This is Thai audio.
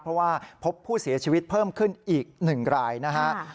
เพราะว่าพบผู้เสียชีวิตเพิ่มขึ้นอีก๑รายนะฮะ